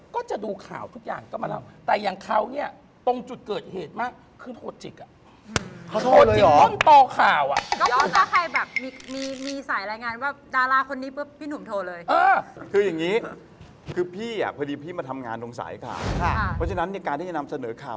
ก็จะดูข่าวทุกอย่างก็มาเล่า